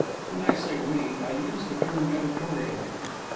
When I say we, I use the term editorially.